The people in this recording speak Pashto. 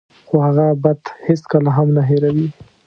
خو هغه بد هېڅکله هم نه هیروي.